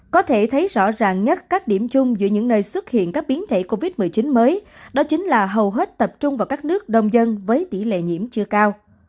có thể thấy rõ ràng nhất các điểm chung giữa những nơi xuất hiện các biến thể covid một mươi chín mới đó chính là hầu hết tập trung vào các nước đông dân với tỷ lệ nhiễm chưa cao